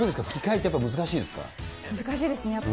難しいですね。